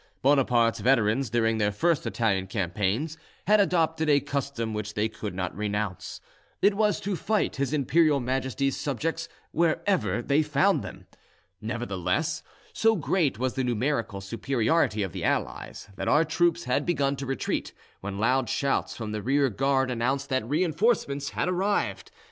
Bonaparte's veterans, during their first Italian campaigns, had adopted a custom which they could not renounce: it was to fight His Imperial Majesty's subjects wherever they found them. Nevertheless, so great was the numerical superiority of the allies, that our troops had begun to retreat, when loud shouts from the rearguard announced that reinforcements had arrived.